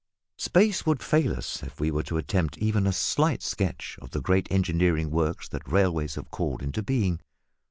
Space would fail us were we to attempt even a slight sketch of the great engineering works that railways have called into being.